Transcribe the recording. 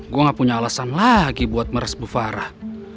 gue gak punya alasan lagi buat meresbu farah